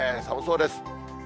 寒そうです。